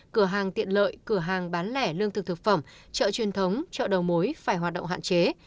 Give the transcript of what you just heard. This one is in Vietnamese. cửa hàng tiện lợi cửa hàng bán lẻ lương thực thực phẩm chợ truyền thống chợ đầu mối phải hoạt động hạn chế